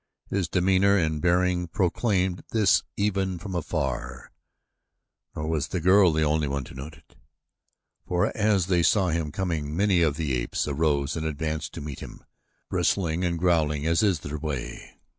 His demeanor and bearing proclaimed this even from afar, nor was the girl the only one to note it. For as they saw him coming many of the apes arose and advanced to meet him, bristling and growling as is their way.